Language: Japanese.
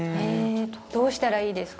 どうしたらいいですか？